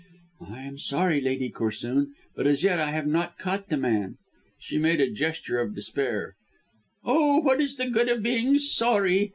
"I am sorry, Lady Corsoon, but as yet I have not caught the man." She made a gesture of despair. "Oh, what is the good of being sorry?